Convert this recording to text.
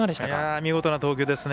見事な投球ですね。